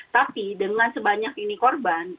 tapi dengan sebanyak ini korban